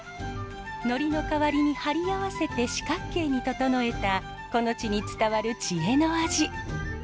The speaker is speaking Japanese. のりの代わりに貼り合わせて四角形に整えたこの地に伝わる知恵の味。